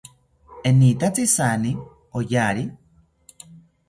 ¿Enitatzi jaani oyari?